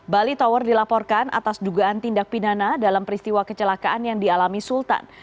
bali tower dilaporkan atas dugaan tindak pidana dalam peristiwa kecelakaan yang dialami sultan